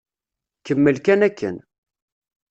Kemmel kan akken.